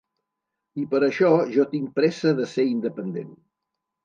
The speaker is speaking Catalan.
I per això jo tinc pressa de ser independent.